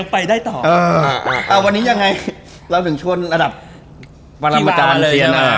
ผมชอบตรงนี้